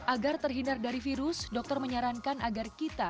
agar terhindar dari virus dokter menyarankan agar kita